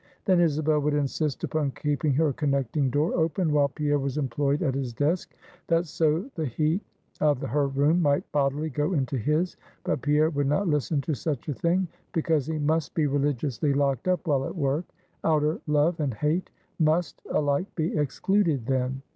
Then Isabel would insist upon keeping her connecting door open while Pierre was employed at his desk, that so the heat of her room might bodily go into his; but Pierre would not listen to such a thing: because he must be religiously locked up while at work; outer love and hate must alike be excluded then.